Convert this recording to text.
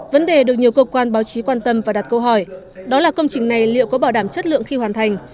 vấn đề được nhiều cơ quan báo chí quan tâm và đặt câu hỏi đó là công trình này liệu có bảo đảm chất lượng khi hoàn thành